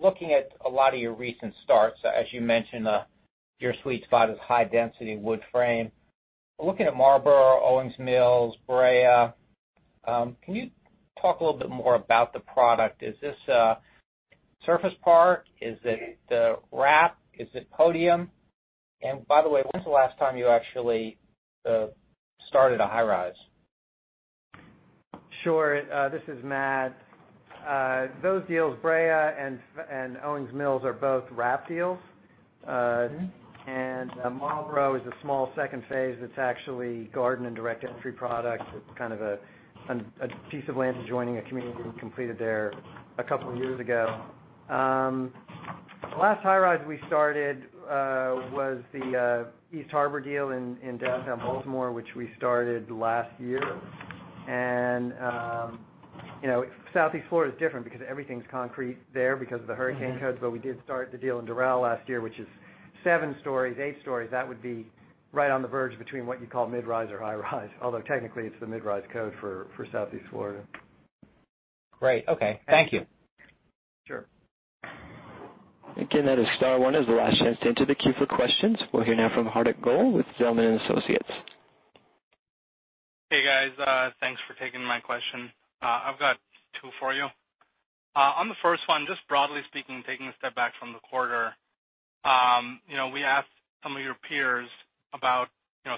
looking at a lot of your recent starts, as you mentioned, your sweet spot is high-density wood frame. Looking at Marlborough, Owings Mills, Brea, can you talk a little more about the product? Is this a surface park? Is it a wrap? Is it podium? By the way, when's the last time you actually started a high-rise? Sure. This is Matt. Those deals, Brea and Owings Mills are both wrap deals. Marlborough is a small second phase that's actually garden and direct entry product. It's kind of a piece of land adjoining a community we completed there a couple of years ago. The last high-rise we started was the Avalon Harbor East in downtown Baltimore, which we started last year. Southeast Florida is different because everything's concrete there because of the hurricane codes. We did start the deal in Doral last year, which is seven stories, eight stories. That would be right on the verge between what you call mid-rise or high-rise, although technically it's the mid-rise code for Southeast Florida. Great. Okay. Thank you. Sure. Again, that is star one as the last chance to enter the queue for questions. We'll hear now from Hardik Goel with Zelman & Associates. Hey, guys. Thanks for taking my question. I've got two for you. The first one, just broadly speaking, taking a step back from the quarter, we asked some of your peers about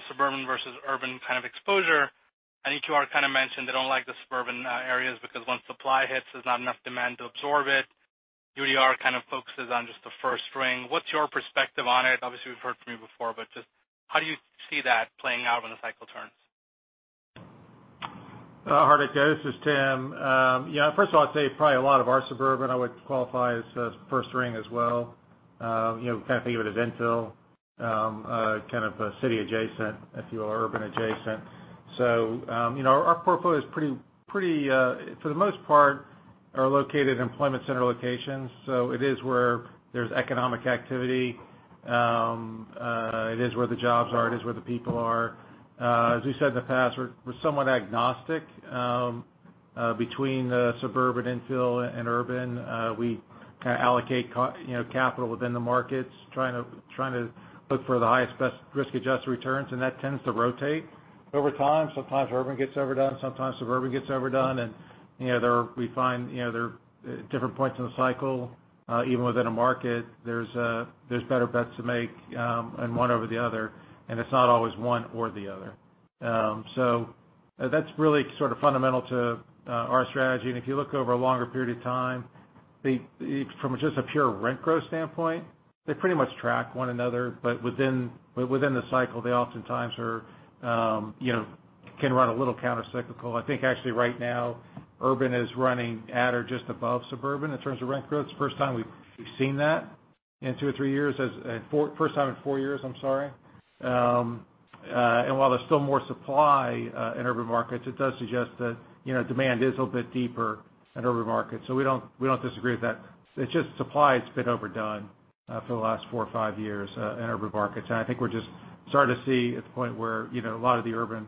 suburban versus urban kind of exposure, EQR kind of mentioned they don't like the suburban areas because once supply hits, there's not enough demand to absorb it. UDR kind of focuses on just the first ring. What's your perspective on it? Obviously, we've heard from you before, just how do you see that playing out when the cycle turns? Hardik, hey, this is Tim. First of all, I'd say probably a lot of our suburban I would qualify as first ring as well. Kind of think of it as infill, kind of city adjacent, if you will, urban adjacent. Our portfolio is pretty, for the most part, are located in employment center locations. It is where there's economic activity. It is where the jobs are. It is where the people are. As we said in the past, we're somewhat agnostic between suburban infill and urban. We kind of allocate capital within the markets, trying to look for the highest risk-adjusted returns, and that tends to rotate over time. Sometimes urban gets overdone, sometimes suburban gets overdone. We find there are different points in the cycle, even within a market, there's better bets to make on one over the other, and it's not always one or the other. That's really sort of fundamental to our strategy. If you look over a longer period of time, from just a pure rent growth standpoint, they pretty much track one another, but within the cycle, they oftentimes can run a little countercyclical. I think actually right now, urban is running at or just above suburban in terms of rent growth. It's the first time we've seen that in two or three years. First time in four years, I'm sorry. While there's still more supply in urban markets, it does suggest that demand is a bit deeper in urban markets. We don't disagree with that. It's just supply has been overdone for the last four or five years in urban markets. I think we're just starting to see at the point where a lot of the urban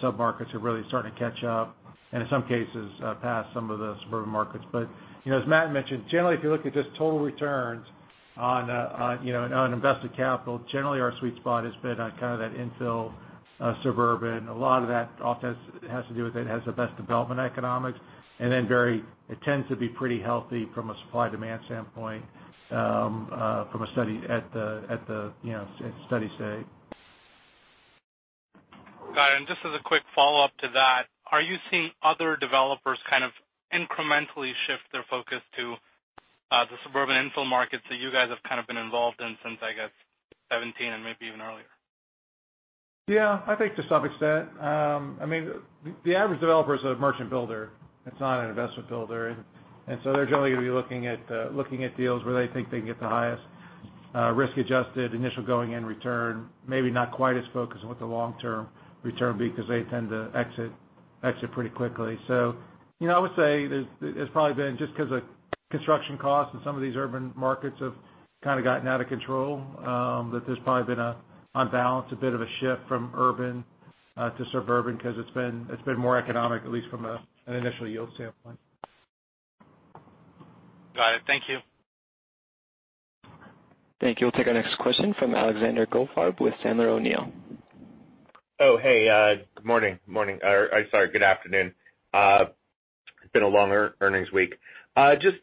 sub-markets are really starting to catch up, and in some cases, pass some of the suburban markets. As Matt mentioned, generally, if you look at just total returns on invested capital, generally our sweet spot has been on kind of that infill suburban. A lot of that often has to do with it has the best development economics, and then it tends to be pretty healthy from a supply-demand standpoint at the steady state. Got it. Just as a quick follow-up to that, are you seeing other developers kind of incrementally shift their focus to the suburban infill markets that you guys have been involved in since, I guess, 2017 and maybe even earlier? Yeah, I think to some extent. The average developer is a merchant builder. It's not an investment builder. They're generally going to be looking at deals where they think they can get the highest risk-adjusted initial going-in return, maybe not quite as focused on what the long-term return will be, because they tend to exit pretty quickly. I would say it's probably been just because of construction costs and some of these urban markets have kind of gotten out of control, that there's probably been, on balance, a bit of a shift from urban to suburban because it's been more economic, at least from an initial yield standpoint. Got it. Thank you. Thank you. We'll take our next question from Alexander Goldfarb with Sandler O'Neill. Oh, hey. Good morning. Or sorry, good afternoon. It's been a long earnings week. Just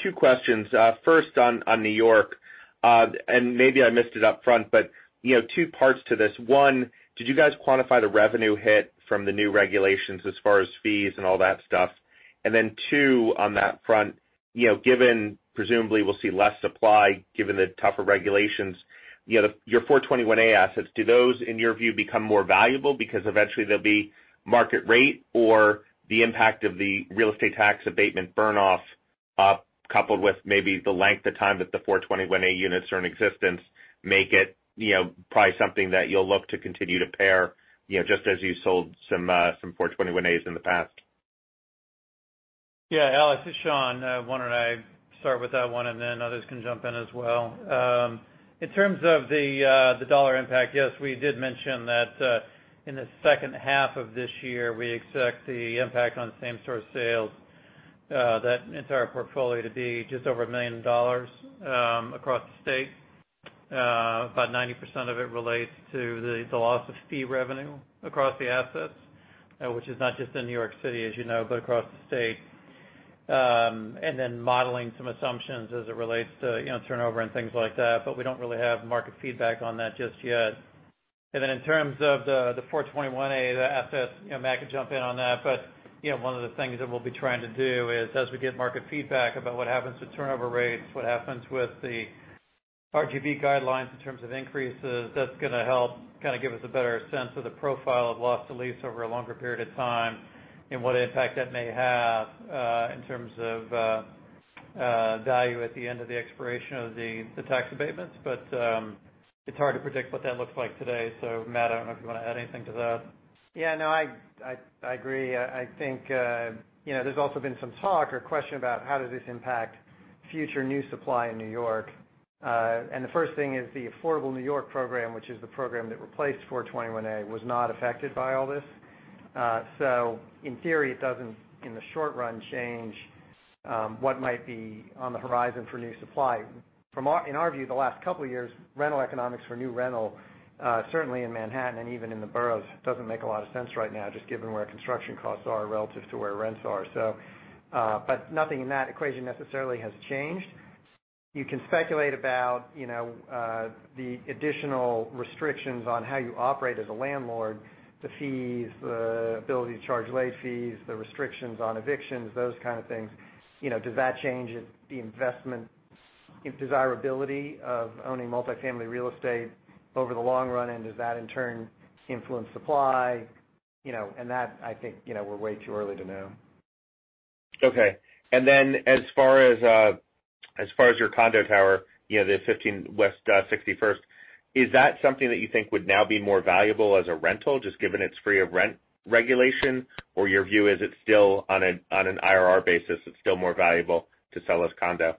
two questions. First on New York, and maybe I missed it up front, but two parts to this. One, did you guys quantify the revenue hit from the new regulations as far as fees and all that stuff? Then two, on that front, given presumably we'll see less supply, given the tougher regulations, your 421-a assets, do those, in your view, become more valuable because eventually they'll be market rate, or the impact of the real estate tax abatement burn-off, coupled with maybe the length of time that the 421-a units are in existence, make it probably something that you'll look to continue to pare, just as you sold some 421-a's in the past? Alex, this is Sean. Why don't I start with that one, and then others can jump in as well. In terms of the dollar impact, yes, we did mention that in the second half of this year, we expect the impact on same-store sales, that entire portfolio to be just over $1 million across the state. About 90% of it relates to the loss of fee revenue across the assets, which is not just in New York City, as you know, but across the state. Modeling some assumptions as it relates to turnover and things like that, but we don't really have market feedback on that just yet. In terms of the 421-a, the assets, Matt could jump in on that. One of the things that we'll be trying to do is as we get market feedback about what happens to turnover rates, what happens with the RGB guidelines in terms of increases, that's going to help kind of give us a better sense of the profile of loss to lease over a longer period of time and what impact that may have in terms of value at the end of the expiration of the tax abatements. It's hard to predict what that looks like today. Matt Birenbaum, I don't know if you want to add anything to that. Yeah, no, I agree. The first thing is the Affordable New York Housing Program, which is the program that replaced 421-a, was not affected by all this. In theory, it doesn't, in the short run, change what might be on the horizon for new supply. In our view, the last couple of years, rental economics for new rental, certainly in Manhattan and even in the boroughs, doesn't make a lot of sense right now, just given where construction costs are relative to where rents are. Nothing in that equation necessarily has changed. You can speculate about the additional restrictions on how you operate as a landlord, the fees, the ability to charge late fees, the restrictions on evictions, those kind of things. Does that change the investment desirability of owning multifamily real estate over the long run? Does that in turn influence supply? That, I think, we're way too early to know. Okay. Then as far as your condo tower, the 15 West 61st, is that something that you think would now be more valuable as a rental, just given it's free of rent regulation? Or your view is it's still on an IRR basis, it's still more valuable to sell as condo?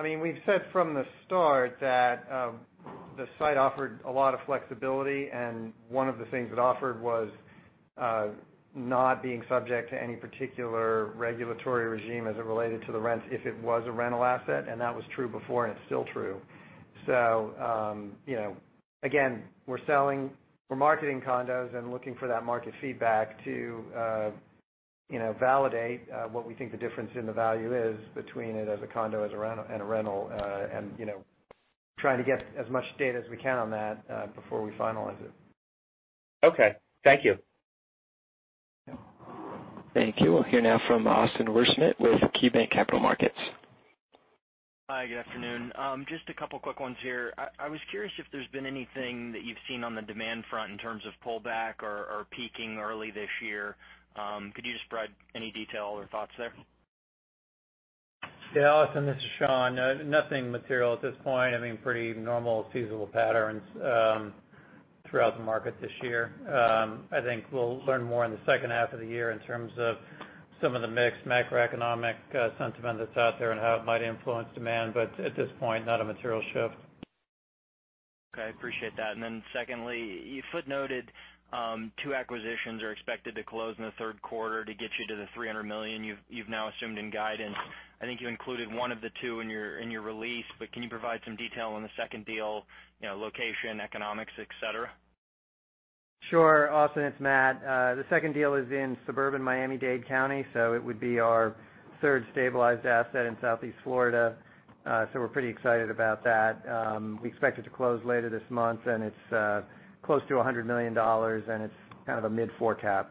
We've said from the start that the site offered a lot of flexibility, and one of the things it offered was not being subject to any particular regulatory regime as it related to the rents if it was a rental asset, and that was true before, and it's still true. Again, we're marketing condos and looking for that market feedback to validate what we think the difference in the value is between it as a condo and a rental, and trying to get as much data as we can on that before we finalize it. Okay. Thank you. Yeah. Thank you. We'll hear now from Austin Wurschmidt with KeyBank Capital Markets. Hi. Good afternoon. Just a couple of quick ones here. I was curious if there's been anything that you've seen on the demand front in terms of pullback or peaking early this year. Could you just provide any detail or thoughts there? Yeah, Austin, this is Sean. Nothing material at this point. Pretty normal seasonal patterns throughout the market this year. I think we'll learn more in the second half of the year in terms of some of the mixed macroeconomic sentiment that's out there and how it might influence demand, but at this point, not a material shift. Okay. Appreciate that. Secondly, you footnoted two acquisitions are expected to close in the third quarter to get you to the $300 million you've now assumed in guidance. I think you included one of the two in your release, can you provide some detail on the second deal, location, economics, et cetera? Sure. Austin, it's Matt. The second deal is in suburban Miami-Dade County, so it would be our third stabilized asset in Southeast Florida. We're pretty excited about that. We expect it to close later this month, and it's close to $100 million, and it's kind of a mid-four cap.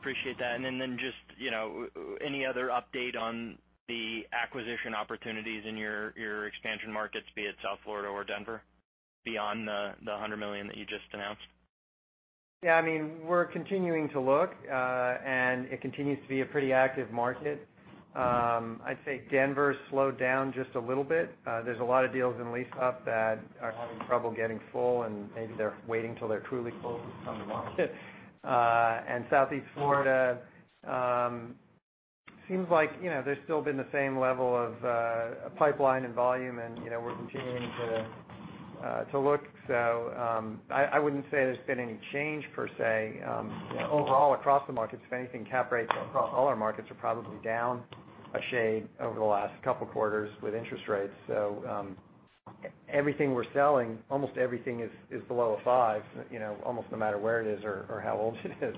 Appreciate that. Just any other update on the acquisition opportunities in your expansion markets, be it South Florida or Denver, beyond the $100 million that you just announced? Yeah, we're continuing to look, and it continues to be a pretty active market. I'd say Denver slowed down just a little bit. There's a lot of deals in lease up that are having trouble getting full, and maybe they're waiting till they're truly full to come to market. Southeast Florida, seems like there's still been the same level of pipeline and volume, and we're continuing to look. I wouldn't say there's been any change per se. Overall, across the markets, if anything, cap rates across all our markets are probably down a shade over the last couple of quarters with interest rates. Everything we're selling, almost everything is below a five, almost no matter where it is or how old it is.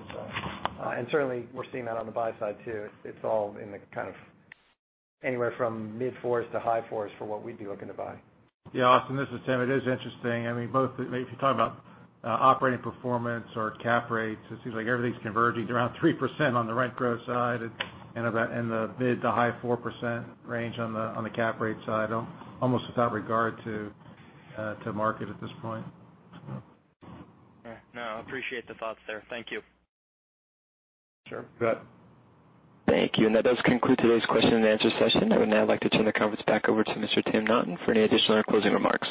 Certainly we're seeing that on the buy side too. It's all in the kind of anywhere from mid-fours to high-fours for what we'd be looking to buy. Yeah, Austin, this is Tim. It is interesting. Both if you talk about operating performance or cap rates, it seems like everything's converging around 3% on the rent growth side and the mid to high 4% range on the cap rate side, almost without regard to market at this point. No, I appreciate the thoughts there. Thank you. Sure. Go ahead. Thank you. That does conclude today's question and answer session. I would now like to turn the conference back over to Mr. Timothy Naughton for any additional closing remarks.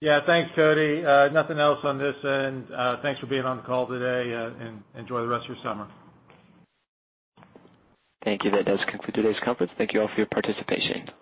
Yeah. Thanks, Cody. Nothing else on this end. Thanks for being on the call today, and enjoy the rest of your summer. Thank you. That does conclude today's conference. Thank you all for your participation.